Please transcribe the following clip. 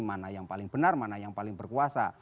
mana yang paling benar mana yang paling berkuasa